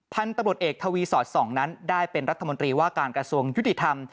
ท่านตรวจเอกทวีสอด๒นั้นได้เป็นรัฐมนตรีว่าการกระทรวงยุติธรรม